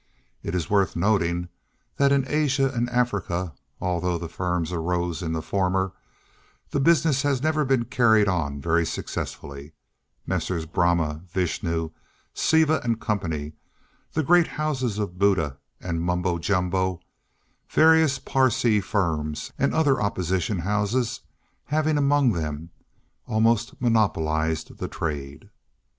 It is worth noting that in Asia and Africa (although the firm arose in the former) the business has never been carried on very successfully; Messrs. Brahma, Vishnu, Seeva, and Co., the great houses of Buddha and Mumbo Jumbo, various Parsee firms, and other opposition houses, having among them almost monopolised the trade.